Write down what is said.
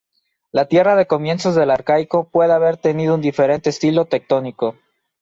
La Tierra de comienzos del Arcaico puede haber tenido un diferente estilo tectónico.